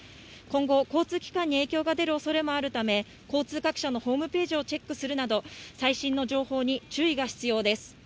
今後、交通機関に影響が出る恐れもあるため、交通各社のホームページをチェックするなど最新の情報に注意が必要です。